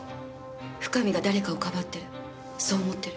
深見が誰かを庇ってるそう思ってる。